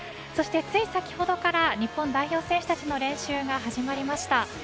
そしてつい先ほどから日本代表選手たちの練習が始まりました。